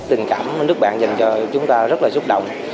tình cảm nước bạn dành cho chúng ta rất là xúc động